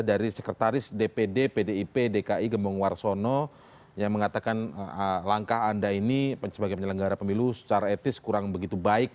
dari sekretaris dpd pdip dki gembong warsono yang mengatakan langkah anda ini sebagai penyelenggara pemilu secara etis kurang begitu baik